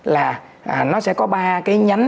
là nó sẽ có ba cái nhánh